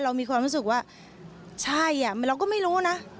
มีความรู้สึกว่าใช่เราก็ไม่รู้นะ